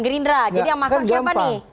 gerindra jadi yang masak siapa nih